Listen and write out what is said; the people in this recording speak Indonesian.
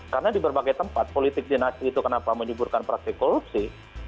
karena di berbagai tempat politik dinasti itu kenapa menyuburkan praktik korupsi